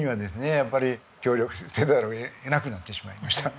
やっぱり協力せざるを得なくなってしまいました。